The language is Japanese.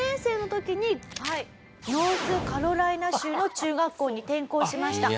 ノースカロライナ州の中学校に転校しました。